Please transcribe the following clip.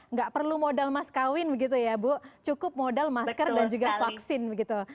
nggak perlu modal maskawin begitu ya bu cukup modal masker dan juga vaksin begitu